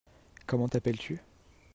Comment t'appelles-tu ?